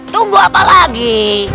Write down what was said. tunggu apa lagi